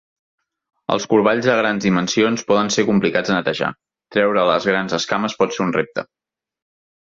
Els corballs de grans dimensions poden ser complicats de netejar; treure les grans escames pot ser un repte.